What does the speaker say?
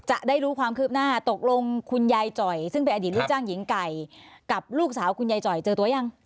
จะได้รู้ความคืบหน้าตกลงคุณยายจ่อยซึ่งเป็นอดีตลูกจ้างหญิงไก่กับลูกสาวคุณยายจ่อยเจอตัวยัง